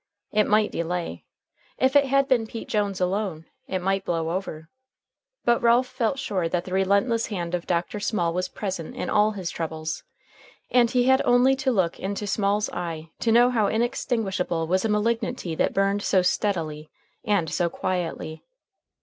It might delay. If it had been Pete Jones alone, it might blow over. But Ralph felt sure that the relentless hand of Dr. Small was present in all his troubles. And he had only to look into Small's eye to know how inextinguishable was a malignity that burned so steadily and so quietly.